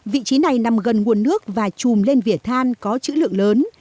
vị trí này nằm gần nguồn nước và chùm lên vỉa than có chữ lượng lớn